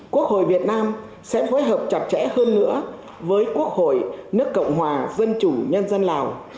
quốc hội việt nam sẽ phối hợp chặt chẽ hơn nữa với quốc hội nước cộng hòa dân chủ nhân dân lào